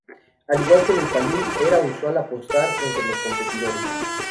Al igual que en el palín, era usual apostar entre los competidores.